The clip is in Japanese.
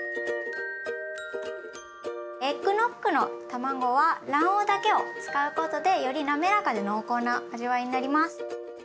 エッグノッグの卵は卵黄だけを使うことでよりなめらかで濃厚な味わいになります。